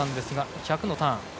１００のターン。